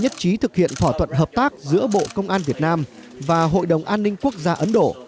nhất trí thực hiện thỏa thuận hợp tác giữa bộ công an việt nam và hội đồng an ninh quốc gia ấn độ